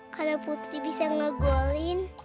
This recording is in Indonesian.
kalau putri bisa nge goalin